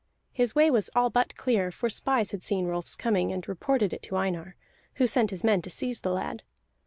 His way was all but clear; for spies had seen Rolf's coming and reported it to Einar, who sent his men to seize the lad.